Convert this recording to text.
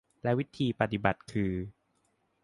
และวิธีปฏิบัติคือ